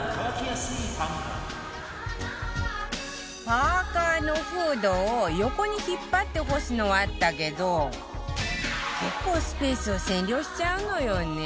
パーカーのフードを横に引っ張って干すのはあったけど結構スペースを占領しちゃうのよね